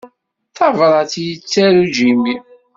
D tabrat i yettaru Jimmy.